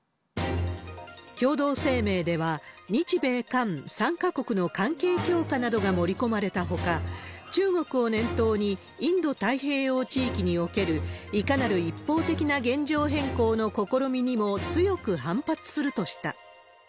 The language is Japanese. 共同声明では、日米韓３か国の関係強化などが盛り込まれたほか、中国を念頭にインド太平洋地域における、いかなる一方的な現状変更の試みにも強く反発するとした。